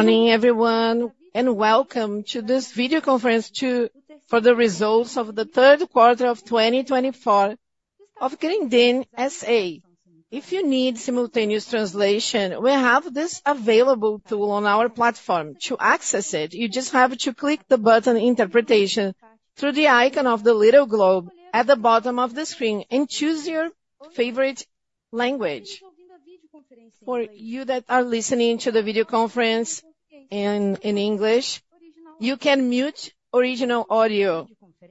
Morning, everyone, and welcome to this Video Conference for the Results of the Third Quarter of 2024 of Grendene S.A. If you need simultaneous translation, we have this available tool on our platform. To access it, you just have to click the button Interpretation through the icon of the little globe at the bottom of the screen and choose your favorite language. For you that are listening to the video conference in English, you can mute original audio.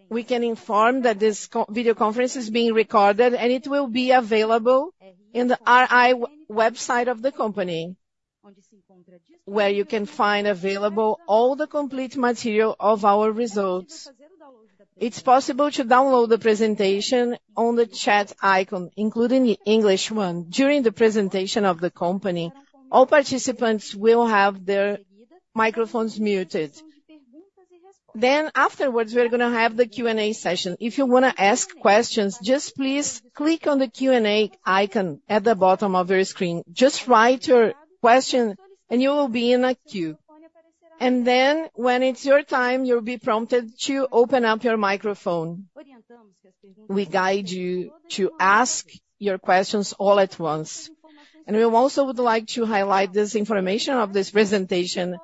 We can inform that this video conference is being recorded, and it will be available in the RI website of the company, where you can find available all the complete material of our results. It's possible to download the presentation on the chat icon, including the English one. During the presentation of the company, all participants will have their microphones muted. Then afterwards, we're gonna have the Q&A session. If you wanna ask questions, just please click on the Q&A icon at the bottom of your screen. Just write your question, and you will be in a queue. And then when it's your time, you'll be prompted to open up your microphone. We guide you to ask your questions all at once. And we also would like to highlight this information of this presentation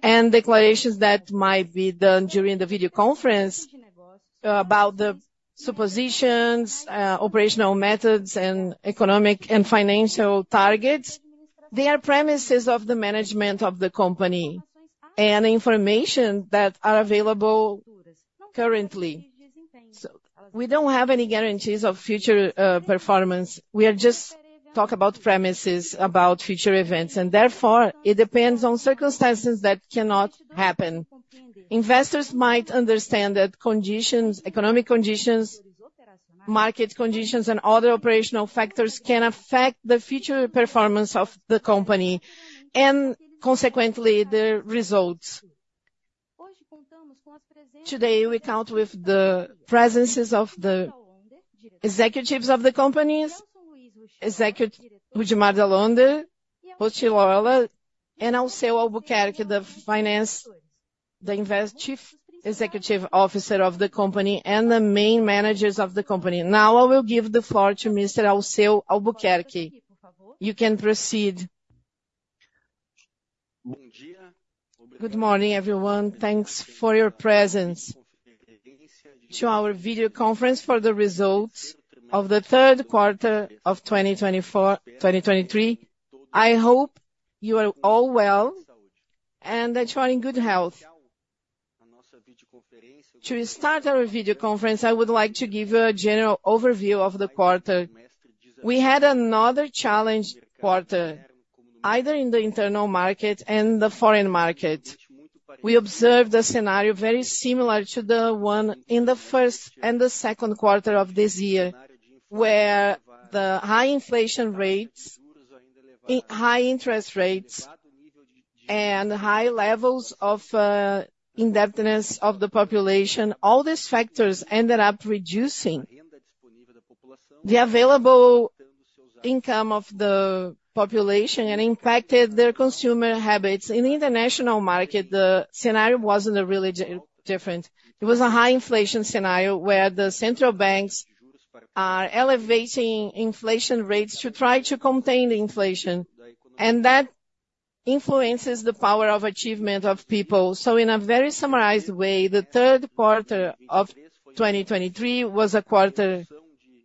and declarations that might be done during the video conference about the suppositions, operational methods, and economic and financial targets. They are premises of the management of the company and information that are available currently. So we don't have any guarantees of future performance. We are just talk about premises about future events, and therefore, it depends on circumstances that cannot happen. Investors might understand that conditions, economic conditions, market conditions, and other operational factors can affect the future performance of the company and consequently, the results. Today, we count with the presence of the executives of the company, Rudimar Dall'Onder, [Luis Rostirolla], and Alceu Albuquerque, Chief Executive Officer of the company and the main managers of the company. Now, I will give the floor to Mr. Alceu Albuquerque. You can proceed. Good morning, everyone. Thanks for your presence to our video conference for the results of the third quarter of 2024, 2023. I hope you are all well and that you are in good health. To start our video conference, I would like to give a general overview of the quarter. We had another challenged quarter, either in the internal market and the foreign market. We observed a scenario very similar to the one in the first and the second quarter of this year, where the high inflation rates, high interest rates, and high levels of indebtedness of the population, all these factors ended up reducing the available income of the population and impacted their consumer habits. In the international market, the scenario wasn't really different. It was a high inflation scenario where the central banks are elevating inflation rates to try to contain the inflation, and that influences the power of achievement of people. So in a very summarized way, the third quarter of 2023 was a quarter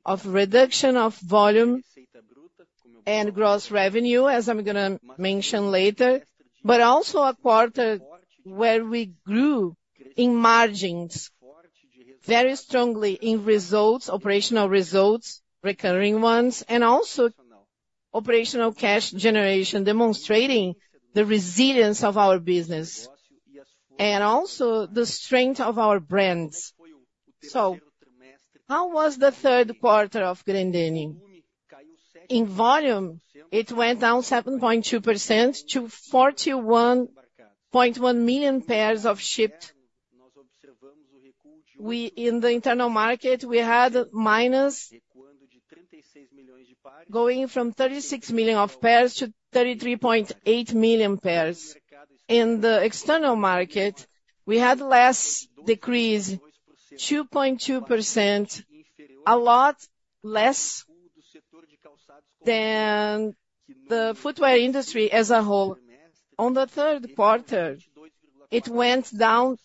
of reduction of volume and gross revenue, as I'm gonna mention later, but also a quarter where we grew in margins, very strongly in results, operational results, recurring ones, and also operational cash generation, demonstrating the resilience of our business and also the strength of our brands. So how was the third quarter of Grendene? In volume, it went down 7.2% to 41.1 million pairs shipped. In the internal market, we had going from 36 million pairs to 33.8 million pairs. In the external market, we had less decrease, 2.2%, a lot less than the footwear industry as a whole. On the third quarter, it went down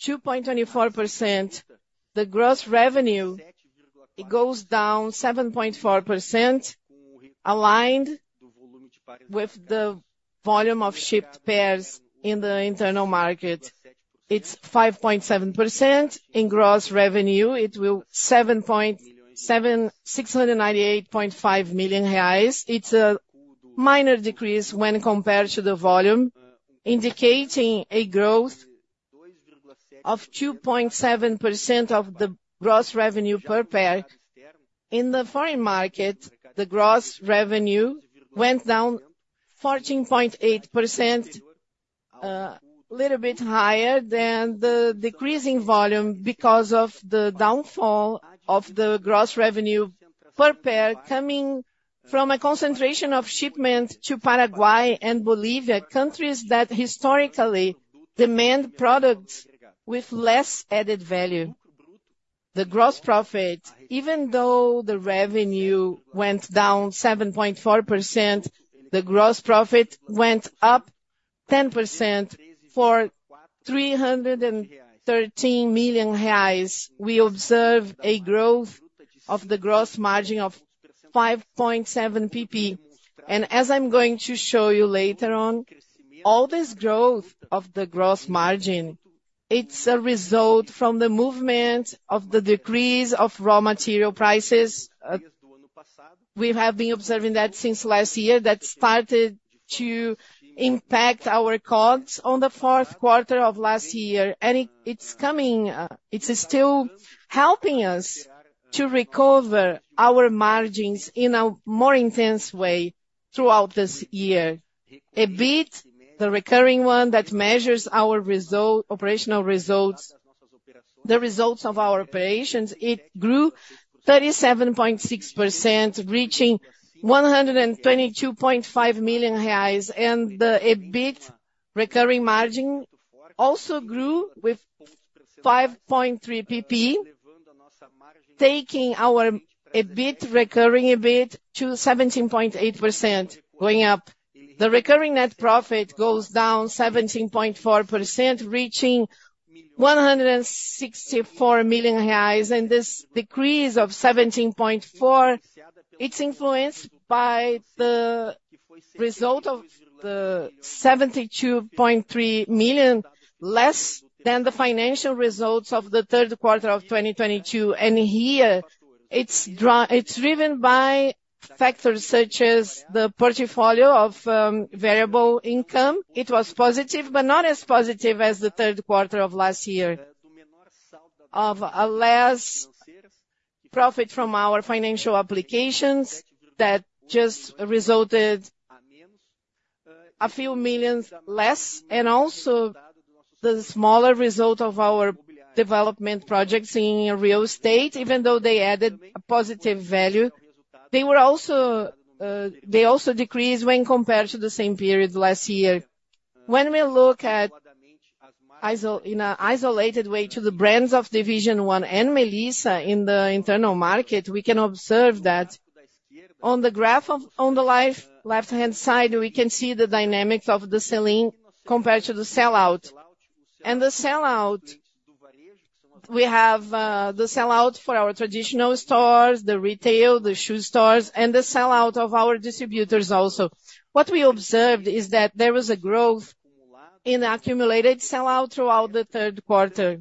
2.24%. The gross revenue, it goes down 7.4%, aligned with the volume of shipped pairs in the internal market. It's 5.7%. In gross revenue, 698.5 million reais. It's a minor decrease when compared to the volume, indicating a growth of 2.7% of the gross revenue per pair. In the foreign market, the gross revenue went down 14.8%, little bit higher than the decreasing volume because of the downfall of the gross revenue per pair, coming from a concentration of shipment to Paraguay and Bolivia, countries that historically demand products with less added value. The gross profit, even though the revenue went down 7.4%, the gross profit went up 10% for 313 million reais. We observe a growth of the gross margin of 5.7 percentage point. As I'm going to show you later on, all this growth of the gross margin, it's a result from the movement of the decrease of raw material prices. We have been observing that since last year, that started to impact our costs on the fourth quarter of last year, and it's still helping us to recover our margins in a more intense way throughout this year. EBIT, the recurring one that measures our result, operational results, the results of our operations, it grew 37.6%, reaching BRL 122.5 million, and the EBIT recurring margin also grew with 5.3 percentage point, taking our EBIT, recurring EBIT, to 17.8%, going up. The recurring net profit goes down 17.4%, reaching 164 million reais, and this decrease of 17.4%, it's influenced by the result of the 72.3 million, less than the financial results of the third quarter of 2022. And here, it's driven by factors such as the portfolio of variable income. It was positive, but not as positive as the third quarter of last year. Of a less profit from our financial applications that just resulted a few millions less, and also the smaller result of our development projects in real estate. Even though they added a positive value, they were also, they also decreased when compared to the same period last year. When we look at it in an isolated way to the brands of Division 1 and Melissa in the internal market, we can observe that on the graph on the left-hand side, we can see the dynamics of the sell-in compared to the sellout. The sellout, we have the sellout for our traditional stores, the retail, the shoe stores, and the sellout of our distributors also. What we observed is that there was a growth in accumulated sellout throughout the third quarter,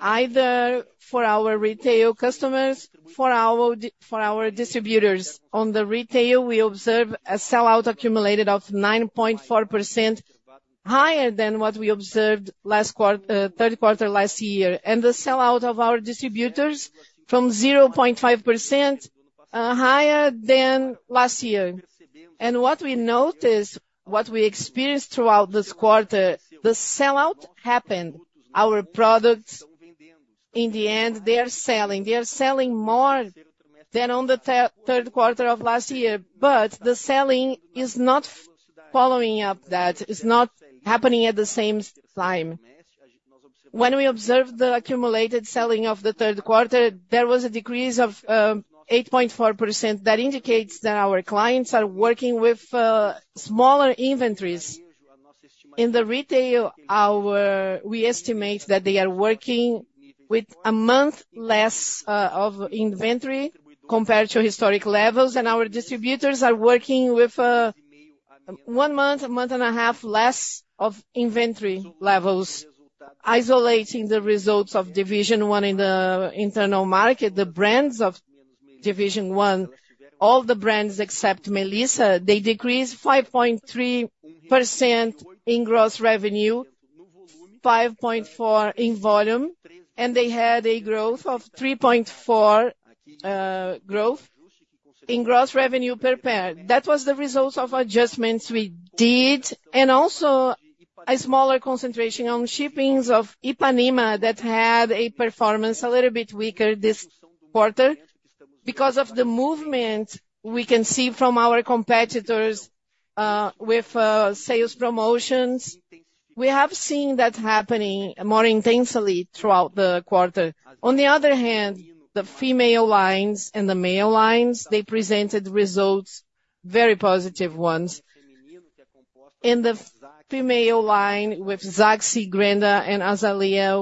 either for our retail customers, for our distributors. On the retail, we observe a sellout accumulated of 9.4% higher than what we observed last quarter, third quarter last year, and the sellout of our distributors from 0.5%, higher than last year. What we noticed, what we experienced throughout this quarter, the sellout happened. Our products, in the end, they are selling. They are selling more than on the third quarter of last year, but the selling is not following up. That is not happening at the same time. When we observed the accumulated selling of the third quarter, there was a decrease of 8.4%. That indicates that our clients are working with smaller inventories. In the retail, our, we estimate that they are working with a month less of inventory compared to historic levels, and our distributors are working with one month, a month and a half less of inventory levels, isolating the results of Division 1 in the internal market. The brands of Division 1, all the brands except Melissa, they decreased 5.3% in gross revenue, 5.4% in volume, and they had a growth of 3.4%, growth in gross revenue per pair. That was the results of adjustments we did, and also a smaller concentration on shippings of Ipanema, that had a performance a little bit weaker this quarter. Because of the movement we can see from our competitors, with sales promotions, we have seen that happening more intensely throughout the quarter. On the other hand, the female lines and the male lines, they presented results, very positive ones. In the female line with Zaxy, Grendha, and Azaleia,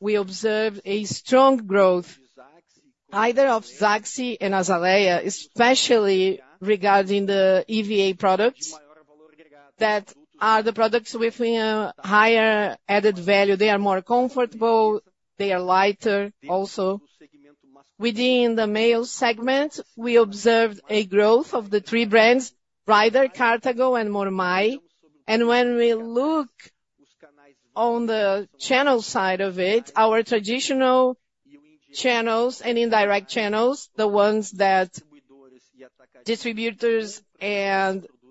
we observed a strong growth, either of Zaxy and Azaleia, especially regarding the EVA products, that are the products with a higher added value. They are more comfortable, they are lighter also. Within the male segment, we observed a growth of the three brands, Rider, Cartago, and Mormaii. And when we look on the channel side of it, our traditional channels and indirect channels, the ones that distributors,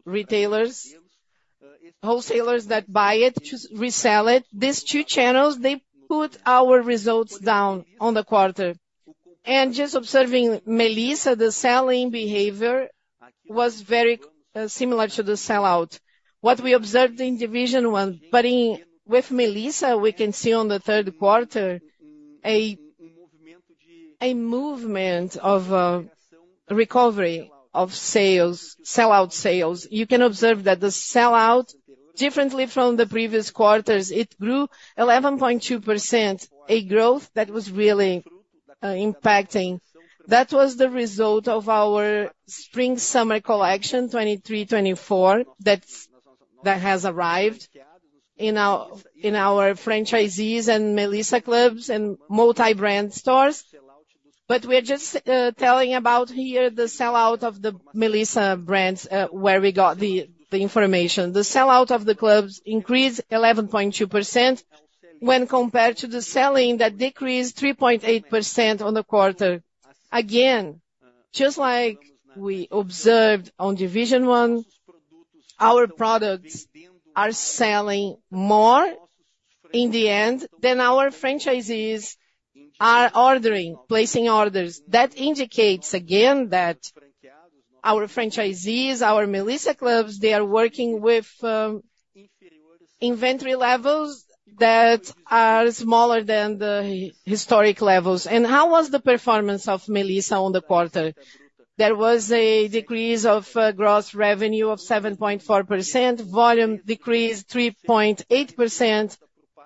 retailers, and wholesalers buy to resell it. These two channels, they put our results down on the quarter. And just observing Melissa, the selling behavior was very similar to the sellout. What we observed in Division 1, but in, with Melissa, we can see on the third quarter, a movement of recovery of sales, sellout sales. You can observe that the sellout, differently from the previous quarters, it grew 11.2%, a growth that was really impacting. That was the result of our spring summer collection, 2023, 2024. That's what has arrived in our franchisees and Melissa clubs and multi-brand stores. But we're just telling about here the sellout of the Melissa brands, where we got the information. The sellout of the clubs increased 11.2% when compared to the sell-in that decreased 3.8% on the quarter. Again, just like we observed on Division 1, our products are selling more in the end than our franchisees are placing orders. That indicates, again, that our franchisees, our Melissa clubs, they are working with inventory levels that are smaller than the historic levels. And how was the performance of Melissa on the quarter? There was a decrease of gross revenue of 7.4%, volume decreased 3.8%,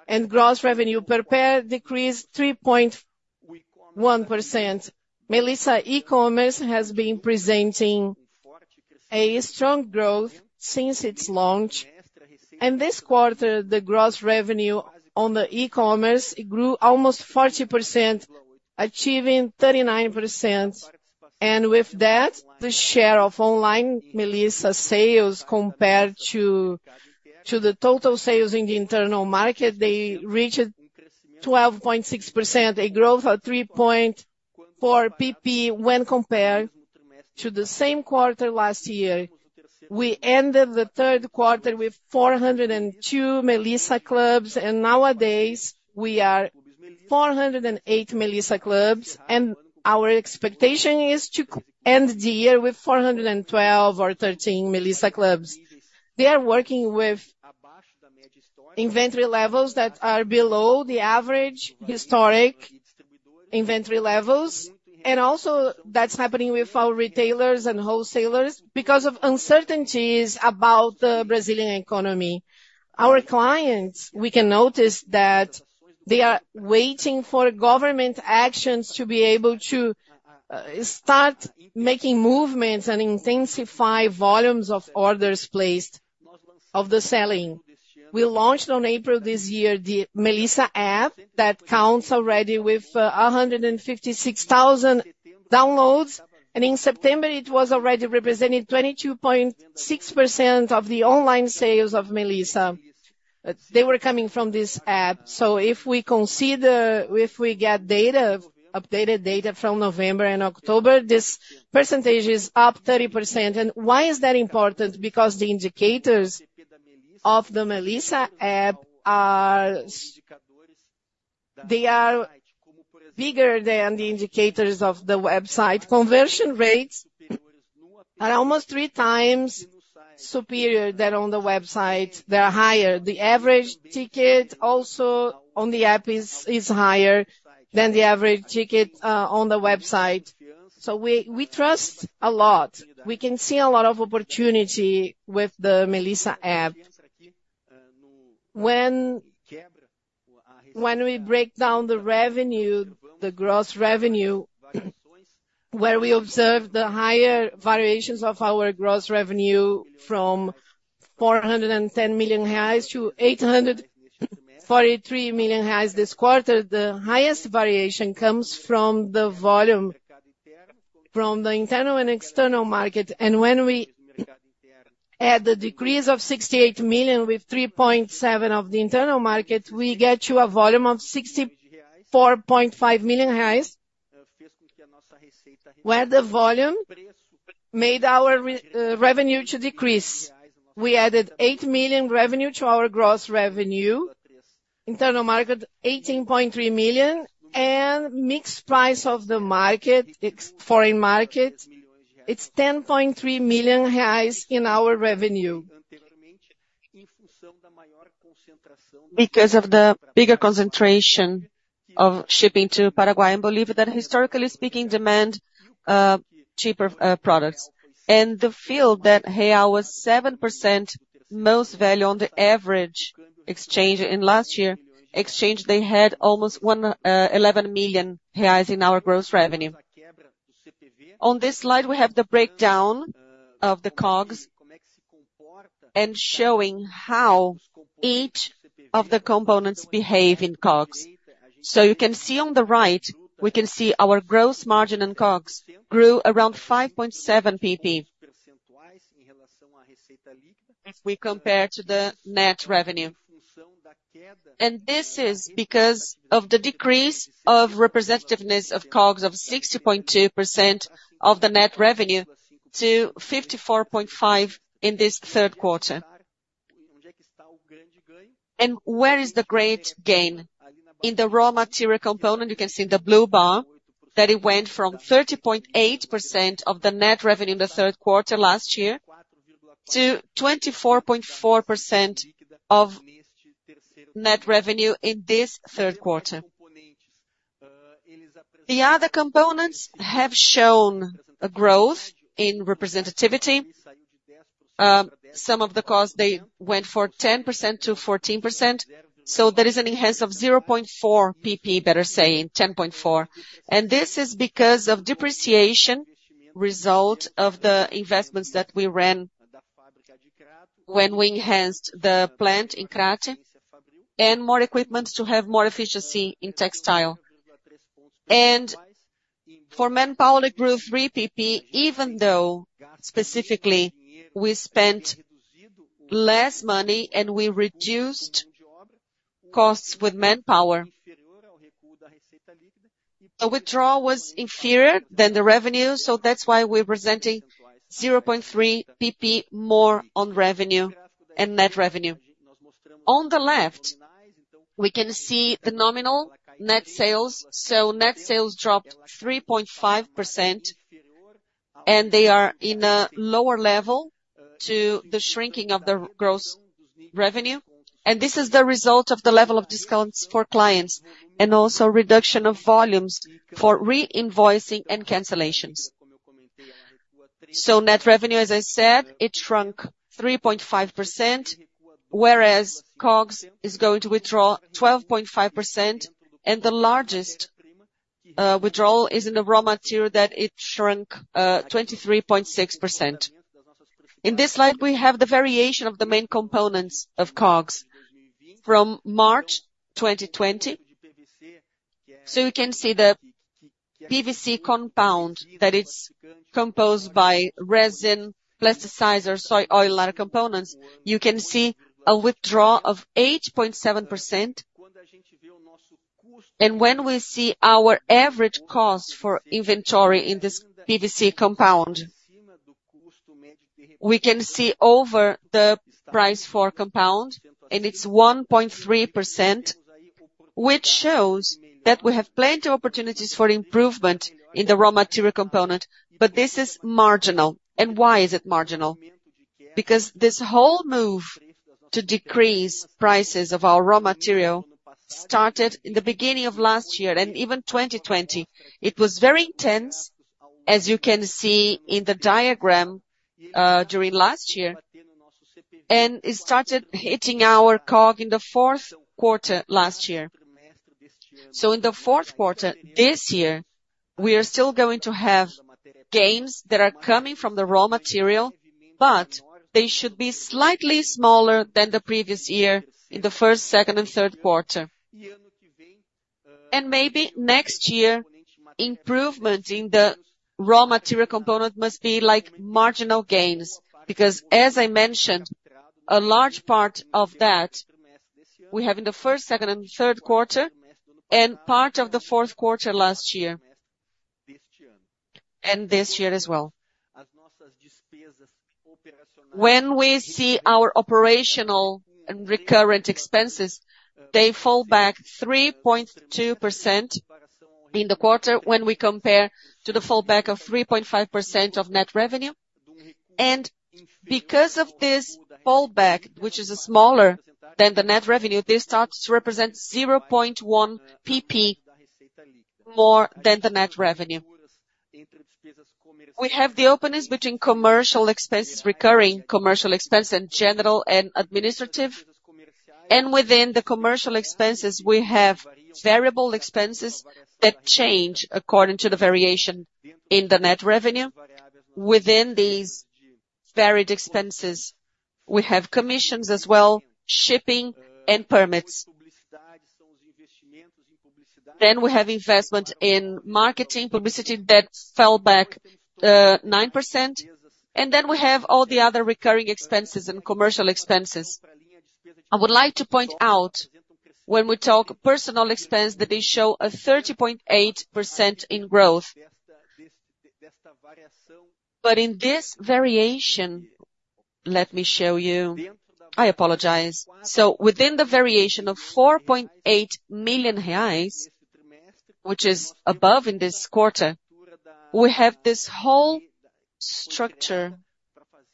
and gross revenue per pair decreased 3.1%. Melissa e-commerce has been presenting a strong growth since its launch, and this quarter, the gross revenue on the e-commerce, it grew almost 40%, achieving 39%. With that, the share of online Melissa sales, compared to the total sales in the internal market, they reached 12.6%, a growth of 3.4 basis points when compared to the same quarter last year. We ended the third quarter with 402 Melissa clubs, and nowadays we are 408 Melissa clubs, and our expectation is to end the year with 412 or 413 Melissa clubs. We are working with inventory levels that are below the average historic inventory levels, and also that's happening with our retailers and wholesalers because of uncertainties about the Brazilian economy. Our clients, we can notice that they are waiting for government actions to be able to start making movements and intensify volumes of orders placed of the selling. We launched on April this year, the Melissa app, that counts already with 156,000 downloads, and in September, it was already representing 22.6% of the online sales of Melissa. They were coming from this app. So if we consider if we get data, updated data from November and October, this percentage is up 30%. And why is that important? Because the indicators of the Melissa app are... They are bigger than the indicators of the website. Conversion rates are almost 3x superior than on the website. They are higher. The average ticket, also on the app, is higher than the average ticket on the website. So we trust a lot. We can see a lot of opportunity with the Melissa app. When we break down the revenue, the gross revenue, where we observe the higher variations of our gross revenue from 410 million-843 million reais this quarter, the highest variation comes from the volume from the internal and external market. And when we add the decrease of 68 million, with 3.7 million of the internal market, we get to a volume of 64.5 million reais, where the volume made our revenue to decrease. We added 8 million revenue to our gross revenue, internal market, 18.3 million, and mixed price of the market, ex- foreign market, it's 10.3 million reais in our revenue. Because of the bigger concentration of shipping to Paraguay and Bolivia, that historically speaking, demand cheaper products. And the field that real was 7% most value on the average exchange in last year. Exchange, they had almost 11 million reais in our gross revenue. On this slide, we have the breakdown of the COGS and showing how each of the components behave in COGS. So you can see on the right, we can see our gross margin and COGS grew around 5.7 percentage point. If we compare to the net revenue. ...And this is because of the decrease of representativeness of COGS of 60.2% of the net revenue to 54.5% in this third quarter. And where is the great gain? In the raw material component, you can see in the blue bar, that it went from 30.8% of the net revenue in the third quarter last year, to 24.4% of net revenue in this third quarter. The other components have shown a growth in representativeness. Some of the costs, they went from 10% to 14%, so there is an increase of 0.4 percentage point, better saying, 10.4%. And this is because of depreciation, result of the investments that we ran when we enhanced the plant in Crato, and more equipment to have more efficiency in textile. For manpower, it grew 3 percentage point, even though, specifically, we spent less money and we reduced costs with manpower. The withdrawal was inferior than the revenue, so that's why we're presenting 0.3 percentage point more on revenue and net revenue. On the left, we can see the nominal net sales. Net sales dropped 3.5%, and they are in a lower level to the shrinking of the gross revenue. This is the result of the level of discounts for clients, and also reduction of volumes for reinvoicing and cancellations. Net revenue, as I said, it shrunk 3.5%, whereas COGS is going to withdraw 12.5%, and the largest withdrawal is in the raw material that it shrunk 23.6%. In this slide, we have the variation of the main components of COGS from March 2020. So you can see the PVC compound, that it's composed by resin, plasticizer, soy oil, other components. You can see a drawdown of 8.7%. And when we see our average cost for inventory in this PVC compound, we can see over the price for compound, and it's 1.3%, which shows that we have plenty opportunities for improvement in the raw material component, but this is marginal. And why is it marginal? Because this whole move to decrease prices of our raw material started in the beginning of last year, and even 2020. It was very intense, as you can see in the diagram, during last year, and it started hitting our COGS in the fourth quarter last year. So in the fourth quarter, this year, we are still going to have gains that are coming from the raw material, but they should be slightly smaller than the previous year in the first, second and third quarter. And maybe next year, improvement in the raw material component must be like marginal gains, because as I mentioned, a large part of that, we have in the first, second and third quarter, and part of the fourth quarter last year, and this year as well. When we see our operational and recurrent expenses, they fall back 3.2% in the quarter when we compare to the fall back of 3.5% of net revenue. And because of this fall back, which is smaller than the net revenue, this starts to represent 0.1 percentage point more than the net revenue. We have the openness between commercial expenses, recurring commercial expense, and general and administrative. Within the commercial expenses, we have variable expenses that change according to the variation in the net revenue. Within these variable expenses, we have commissions as well, shipping and permits. Then we have investment in marketing, publicity that fell back 9%, and then we have all the other recurring expenses and commercial expenses. I would like to point out, when we talk personnel expense, that they show a 30.8% growth. But in this variation, let me show you. I apologize. So within the variation of 4.8 million reais, which is above in this quarter, we have this whole structure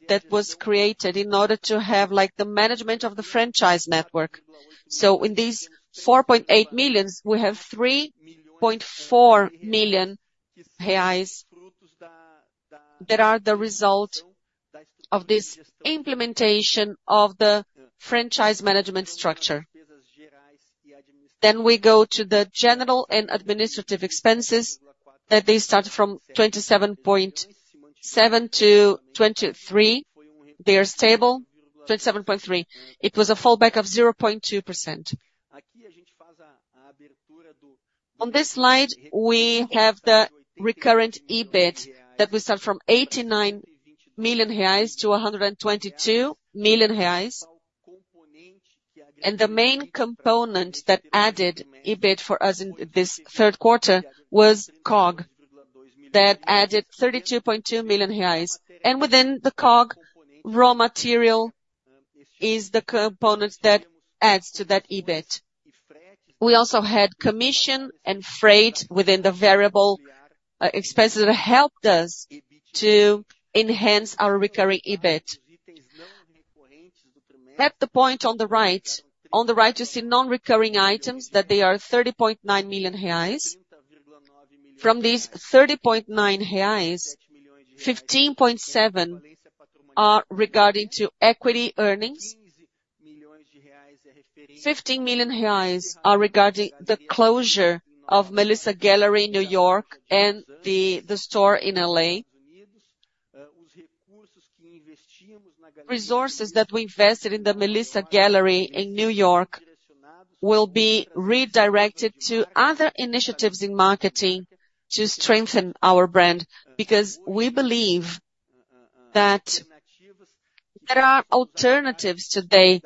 that was created in order to have, like, the management of the franchise network. So in these 4.8 million, we have 3.4 million reais that are the result of this implementation of the franchise management structure. Then we go to the general and administrative expenses, that they started from 27.7 million to 23 million. They are stable, 27.3 million. It was a fall back of 0.2%. On this slide, we have the recurrent EBIT that we start from 89 million reais to 122 million reais. And the main component that added EBIT for us in this third quarter was COGS, that added 32.2 million reais. And within the COGS, raw material is the component that adds to that EBIT. We also had commission and freight within the variable expenses that helped us to enhance our recurring EBIT. At the point on the right, on the right you see non-recurring items, that they are 30.9 million reais. From these 30.9 million reais, 15.7 million are regarding to equity earnings. 15 million reais are regarding the closure of Melissa Gallery in New York and the store in L.A. Resources that we invested in the Melissa Gallery in New York will be redirected to other initiatives in marketing to strengthen our brand, because we believe that there are alternatives today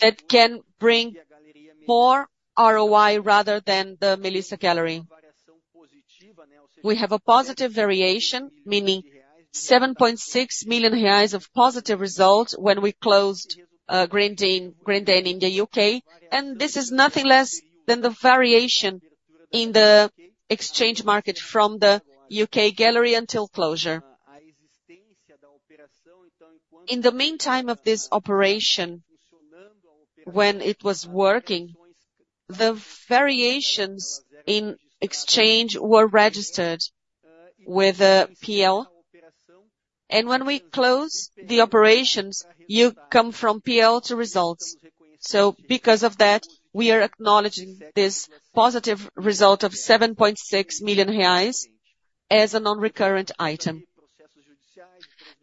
that can bring more ROI rather than the Melissa Gallery. We have a positive variation, meaning 7.6 million reais of positive results when we closed Grendene in the U.K., and this is nothing less than the variation in the exchange market from the U.K. gallery until closure. In the meantime of this operation, when it was working, the variations in exchange were registered with PL, and when we close the operations, you come from PL to results. So because of that, we are acknowledging this positive result of 7.6 million reais as a non-recurrent item.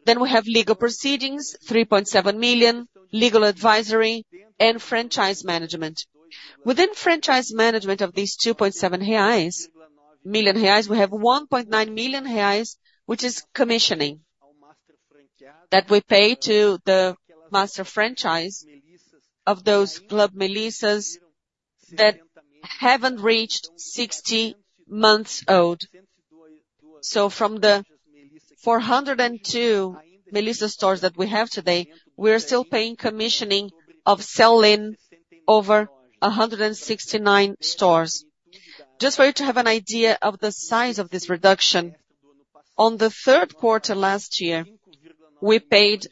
Then we have legal proceedings, 3.7 million, legal advisory and franchise management. Within franchise management of these 2.7 million reais, we have 1.9 million reais, which is commissioning, that we pay to the master franchise of those Clube Melissa that haven't reached 60 months old. So from the 402 Melissa stores that we have today, we are still paying commissioning of sell-in over 169 stores. Just for you to have an idea of the size of this reduction, on the third quarter last year, we paid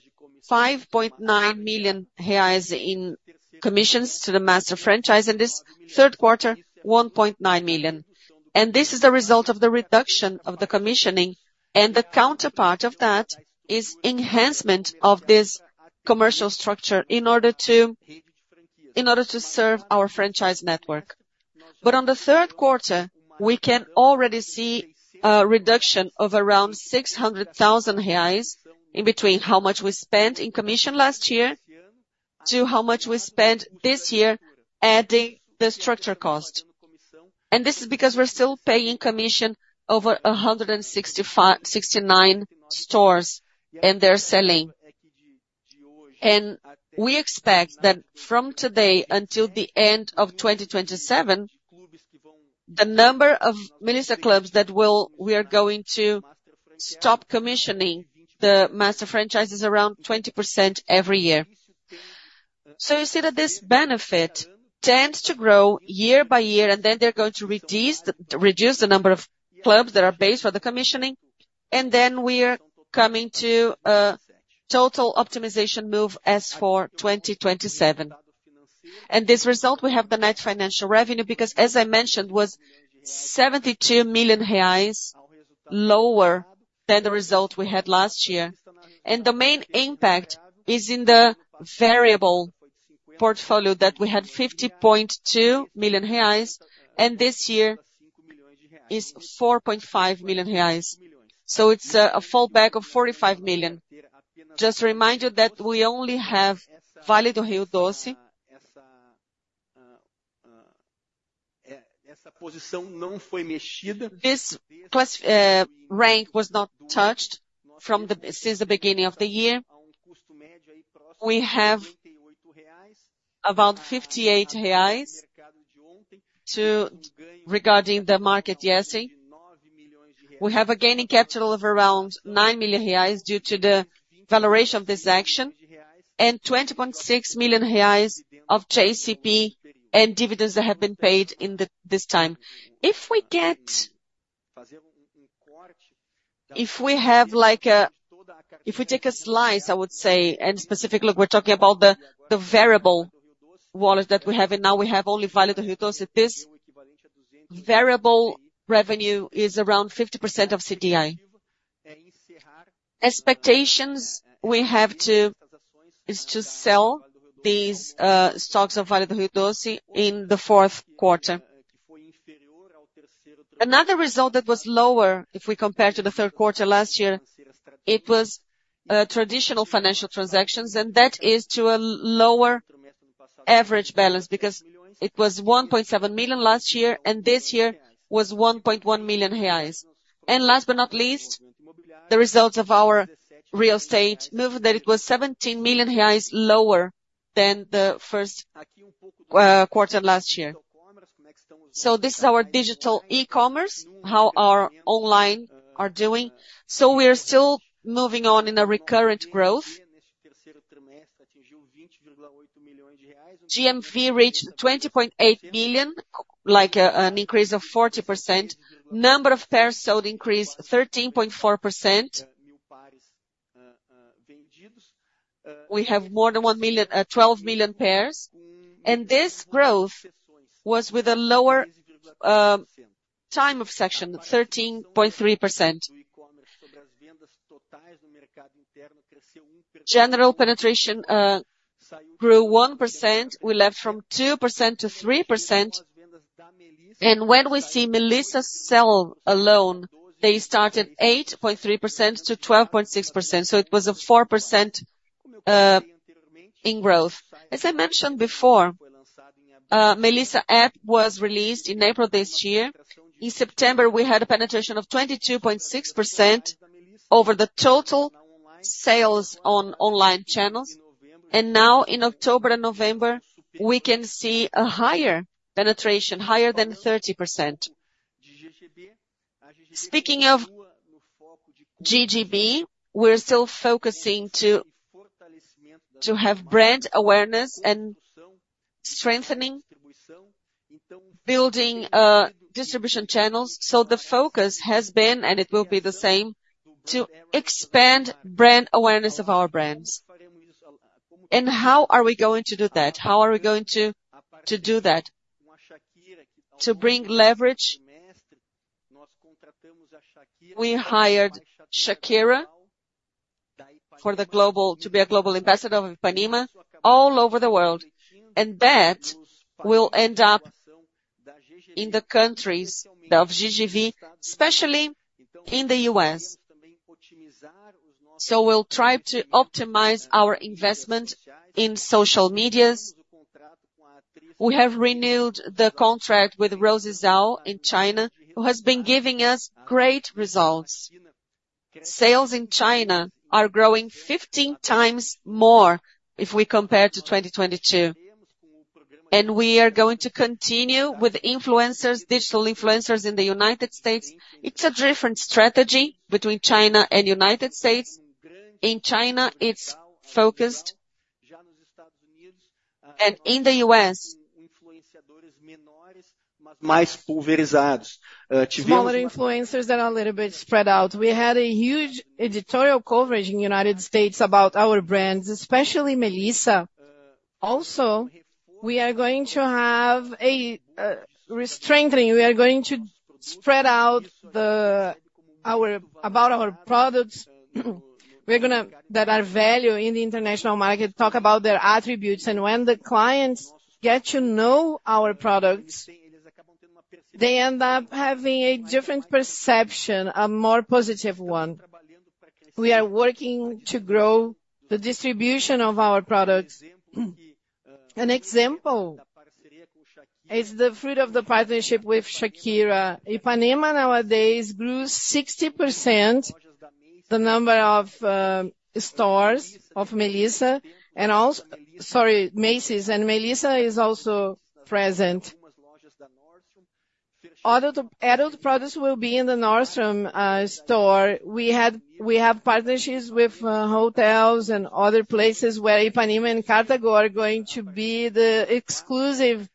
5.9 million reais in commissions to the master franchise, and this third quarter, 1.9 million. And this is a result of the reduction of the commissioning, and the counterpart of that is enhancement of this commercial structure in order to, in order to serve our franchise network. But on the third quarter, we can already see a reduction of around 600,000 reais in between how much we spent in commission last year to how much we spent this year adding the structure cost. And this is because we're still paying commission over 169 stores, and they're selling. We expect that from today until the end of 2027, the number of Melissa clubs that will we are going to stop commissioning the master franchise is around 20% every year. So you see that this benefit tends to grow year by year, and then they're going to reduce the number of clubs that are based for the commissioning, and then we are coming to a total optimization move as for 2027. And this result, we have the net financial revenue, because as I mentioned, was 72 million reais lower than the result we had last year. And the main impact is in the variable portfolio that we had 50.2 million reais, and this year is 4.5 million reais. So it's a fallback of 45 million. Just to remind you that we only have Vale do Rio Doce. This class, rank was not touched from the-- since the beginning of the year. We have about BRL 58 million to-- regarding the market yesterday. We have a gain in capital of around 9 million reais, due to the valuation of this action, and 20.6 million reais of JCP and dividends that have been paid in the-- this time. If we have like a-- if we take a slice, I would say, and specifically, we're talking about the variable wallet that we have, and now we have only Vale do Rio Doce. This variable revenue is around 50% of CDI. Expectations we have to, is to sell these stocks of Vale do Rio Doce in the fourth quarter. Another result that was lower, if we compare to the third quarter last year, it was traditional financial transactions, and that is to a lower-... average balance, because it was 1.7 million last year, and this year was 1.1 million reais. Last but not least, the results of our real estate move, that it was 17 million reais lower than the first quarter last year. So this is our digital e-commerce, how our online are doing. So we are still moving on in a recurrent growth. GMV reached 20.8 million, like, an increase of 40%. Number of pairs sold increased 13.4%. We have more than 1 million, 12 million pairs, and this growth was with a lower time of section, 13.3%. General penetration grew 1%. We left from 2% to 3%. When we see Melissa sell-out alone, they started 8.3%-12.6%, so it was a 4% in growth. As I mentioned before, Melissa app was released in April this year. In September, we had a penetration of 22.6% over the total sales on online channels, and now in October and November, we can see a higher penetration, higher than 30%. Speaking of GGB, we're still focusing to, to have brand awareness and strengthening, building distribution channels. So the focus has been, and it will be the same, to expand brand awareness of our brands. And how are we going to do that? How are we going to, to do that? To bring leverage, we hired Shakira for the global, to be a global ambassador of Ipanema all over the world, and that will end up in the countries of GGB, especially in the U.S. So we'll try to optimize our investment in social media. We have renewed the contract with Rosy Zhao in China, who has been giving us great results. Sales in China are growing 15x more if we compare to 2022. And we are going to continue with influencers, digital influencers in the United States. It's a different strategy between China and United States. In China, it's focused, and in the U.S., smaller influencers that are a little bit spread out. We had a huge editorial coverage in the United States about our brands, especially Melissa. Also, we are going to have a restrengthening. We are going to spread out about our products. We're gonna that are value in the international market, talk about their attributes, and when the clients get to know our products, they end up having a different perception, a more positive one. We are working to grow the distribution of our products. An example is the fruit of the partnership with Shakira. Ipanema, nowadays, grew 60% the number of stores of Melissa and Macy's, and Melissa is also present. Other adult products will be in the Nordstrom store. We have partnerships with hotels and other places where Ipanema and Cartago are going to be the exclusive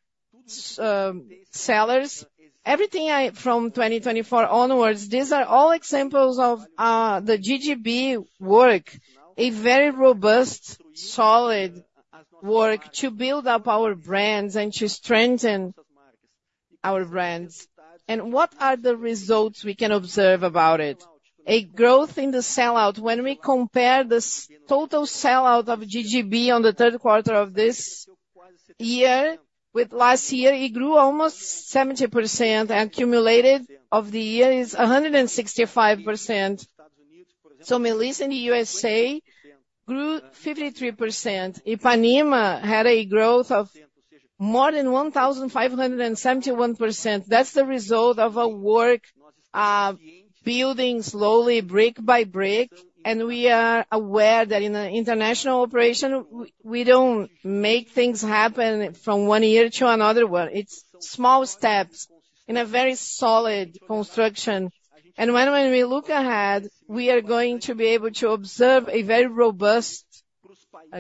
sellers. Everything from 2024 onwards, these are all examples of the GGB work, a very robust, solid work to build up our brands and to strengthen our brands. And what are the results we can observe about it? A growth in the sell-out. When we compare the total sell-out of GGB on the third quarter of this year with last year, it grew almost 70%, and accumulated of the year is 165%. So Melissa, in the USA, grew 53%. Ipanema had a growth of more than 1,571%. That's the result of our work, building slowly, brick by brick, and we are aware that in an international operation, we don't make things happen from one year to another one. It's small steps in a very solid construction. And when we look ahead, we are going to be able to observe a very robust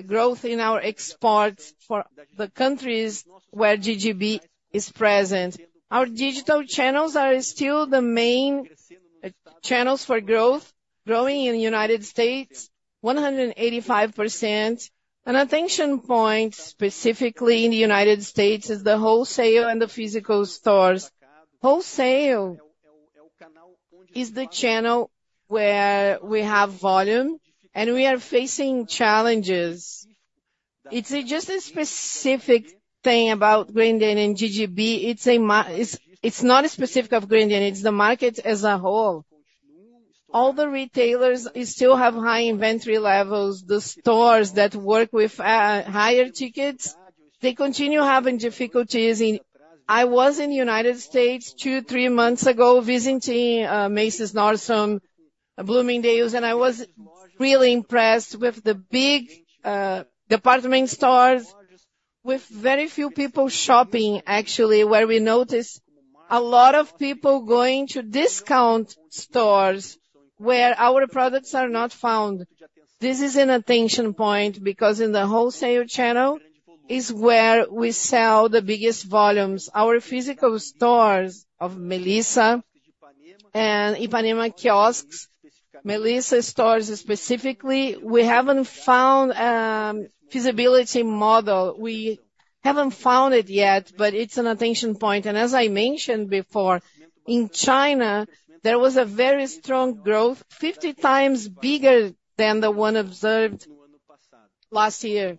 growth in our exports for the countries where GGB is present. Our digital channels are still the main channels for growth, growing in the United States, 185%. An attention point, specifically in the United States, is the wholesale and the physical stores. Wholesale is the channel where we have volume, and we are facing challenges. It's just a specific thing about Grendene and GGB. It's not a specific of Grendene, it's the market as a whole.... All the retailers still have high inventory levels. The stores that work with higher tickets, they continue having difficulties in- I was in the United States two, three months ago, visiting Macy's, Nordstrom, Bloomingdale's, and I was really impressed with the big department stores, with very few people shopping, actually, where we noticed a lot of people going to discount stores, where our products are not found. This is an attention point, because in the wholesale channel is where we sell the biggest volumes. Our physical stores of Melissa and Ipanema kiosks, Melissa stores specifically, we haven't found feasibility model. We haven't found it yet, but it's an attention point. And as I mentioned before, in China, there was a very strong growth, 50x bigger than the one observed last year.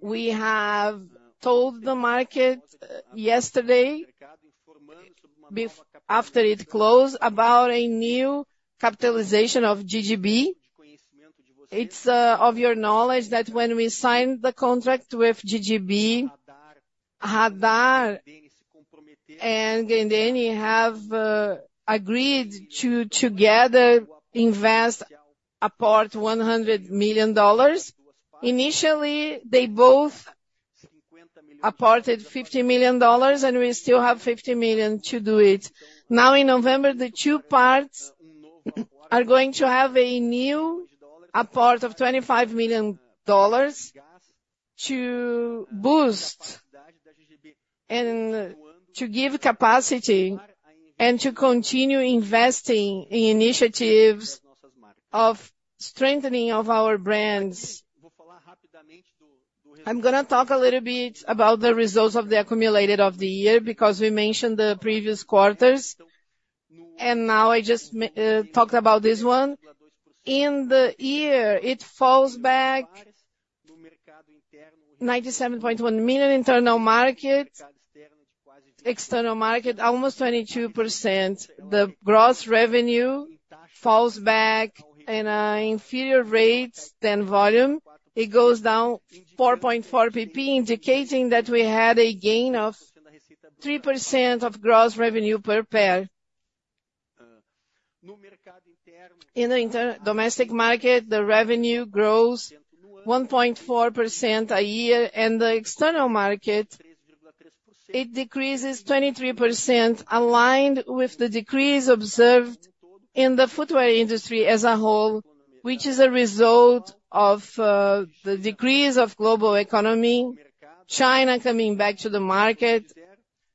We have told the market, yesterday, after it closed, about a new capitalization of GGB. It's of your knowledge that when we signed the contract with GGB, 3G Radar and Grendene have agreed to together invest apart $100 million. Initially, they both aported $50 million, and we still have $50 million to do it. Now, in November, the two parts are going to have a new apart of $25 million to boost and to give capacity, and to continue investing in initiatives of strengthening of our brands. I'm gonna talk a little bit about the results of the accumulated of the year, because we mentioned the previous quarters, and now I just talked about this one. In the year, it falls back 97.1 million internal market. External market, almost 22%. The gross revenue falls back in inferior rates than volume. It goes down 4.4 percentage point, indicating that we had a gain of 3% of gross revenue per pair. In the domestic market, the revenue grows 1.4% a year, and the external market, it decreases 23%, aligned with the decrease observed in the footwear industry as a whole, which is a result of the decrease of global economy, China coming back to the market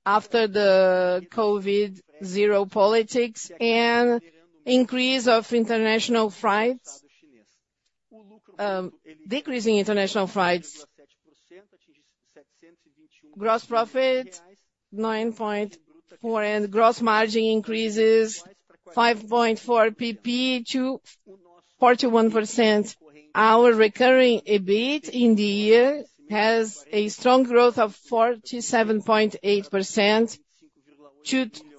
after the COVID zero politics, and increase of international freights. Decreasing international freights, gross profit 9.4%, and gross margin increases 5.4 percentage point to 41%. Our recurring EBIT in the year has a strong growth of 47.8% to 225.8 million.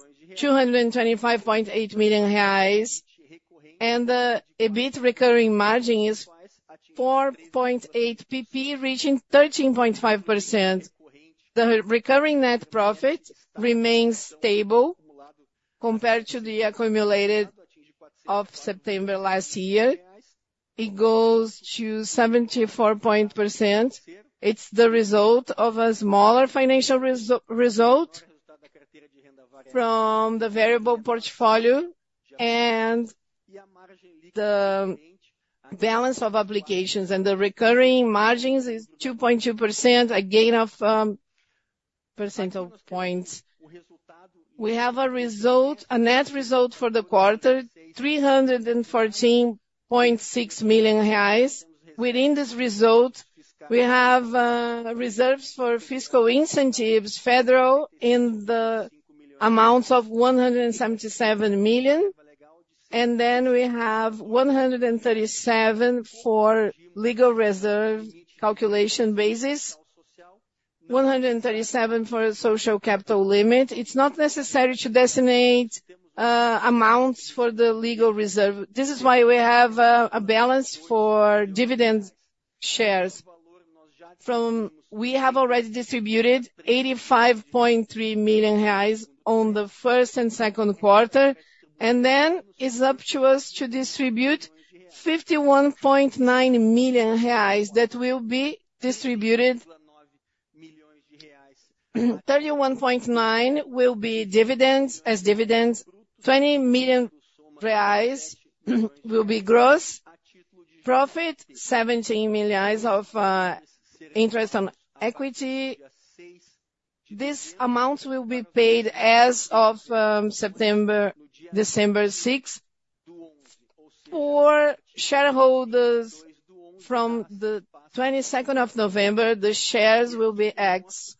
The EBIT recurring margin is 4.8 percentage point, reaching 13.5%. The recurring net profit remains stable compared to the accumulated of September last year. It goes to 74%. It's the result of a smaller financial result from the variable portfolio and the balance of applications, and the recurring margins is 2.2%, a gain of percentage point. We have a result, a net result for the quarter, 314.6 million reais. Within this result, we have reserves for fiscal incentives, federal, in the amounts of 177 million, and then we have 137 million for legal reserve calculation basis, 137 million for social capital limit. It's not necessary to designate amounts for the legal reserve. This is why we have a balance for dividend shares. We have already distributed 85.3 million reais on the first and second quarter, and then it's up to us to distribute 51.9 million reais, that will be distributed. 31.9 million will be dividends, as dividends. 20 million reais will be gross profit, 17 million of interest on equity. This amount will be paid as of September, December 6. For shareholders from the 22nd of November, the shares will be ex.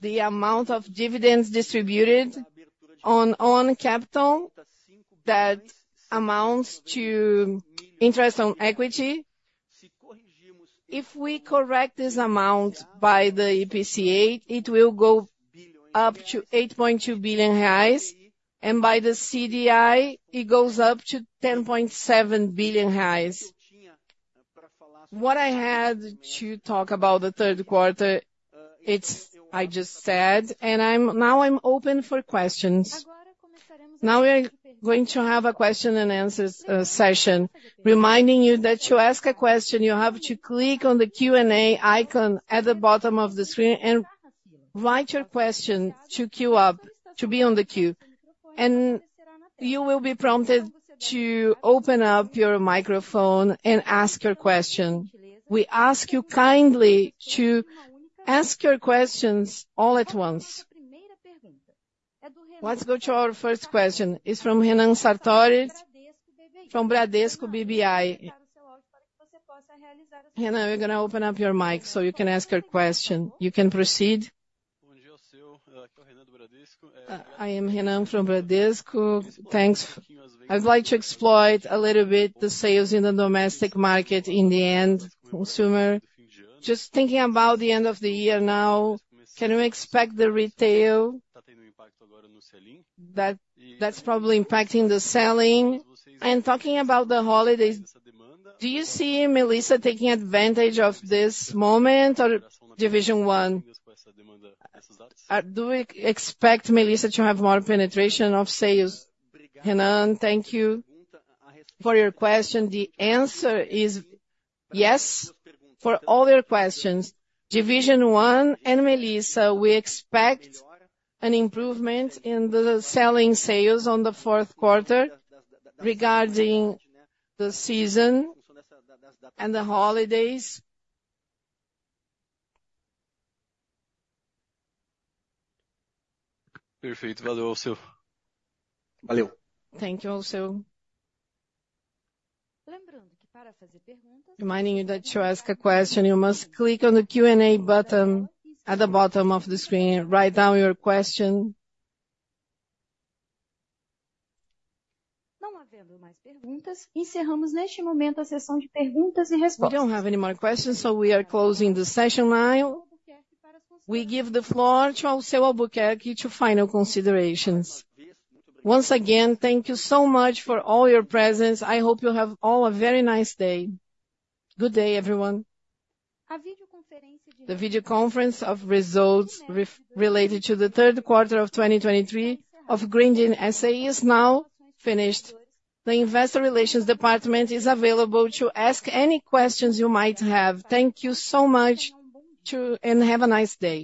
The amount of dividends distributed on capital, that amounts to interest on equity. If we correct this amount by the IPCA, it will go up to 8.2 billion reais, and by the CDI, it goes up to 10.7 billion reais. What I had to talk about the third quarter, it's, I just said, and now I'm open for questions. Now we are going to have a question and answer session. Reminding you that to ask a question, you have to click on the Q&A icon at the bottom of the screen and write your question to queue up, to be on the queue, and you will be prompted to open up your microphone and ask your question. We ask you kindly to ask your questions all at once. Let's go to our first question. It's from Renan Sartorio, from Bradesco BBI. Renan, we're gonna open up your mic so you can ask your question. You can proceed. I am Renan from Bradesco. Thanks. I'd like to explore a little bit the sales in the domestic market in the end consumer. Just thinking about the end of the year now, can we expect the retail that, that's probably impacting the selling? Talking about the holidays, do you see Melissa taking advantage of this moment or Division 1? Do we expect Melissa to have more penetration of sales? Renan, thank you for your question. The answer is yes, for all your questions. Division 1 and Melissa, we expect an improvement in the selling sales on the fourth quarter regarding the season and the holidays. Perfect. Thank you, Alceu. Thank you. Thank you, Alceu. Reminding you that to ask a question, you must click on the Q&A button at the bottom of the screen and write down your question. We don't have any more questions, so we are closing the session now. We give the floor to Alceu Albuquerque to final considerations. Once again, thank you so much for all your presence. I hope you have all a very nice day. Good day, everyone. The video conference of results related to the third quarter of 2023 of Grendene S.A. is now finished. The Investor Relations department is available to ask any questions you might have. Thank you so much, too, and have a nice day.